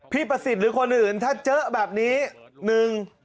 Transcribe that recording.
ประสิทธิ์หรือคนอื่นถ้าเจอแบบนี้หนึ่ง